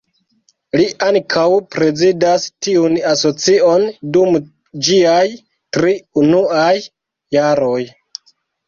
Li ankaŭ prezidas tiun asocion dum ĝiaj tri unuaj jaroj.